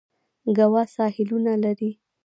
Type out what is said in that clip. ګوا ساحلونه لري.